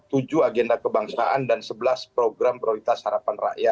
ini adalah program yang diadakan oleh pak prabowo ini adalah program yang diadakan oleh pak prabowo